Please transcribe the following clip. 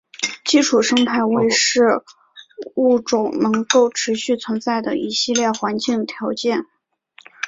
基础生态位是物种能够持续存在的一系列环境条件。